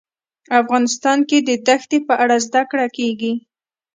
افغانستان کې د دښتې په اړه زده کړه کېږي.